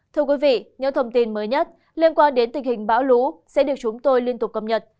thưa quý vị những thông tin mới nhất liên quan đến tình hình bão lũ sẽ được chúng tôi liên tục cập nhật